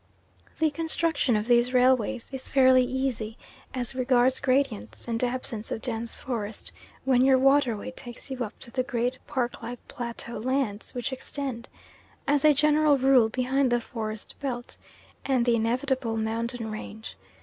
The construction of these railways is fairly easy, as regards gradients, and absence of dense forest, when your waterway takes you up to the great park like plateau lands which extend, as a general rule, behind the forest belt, and the inevitable mountain range.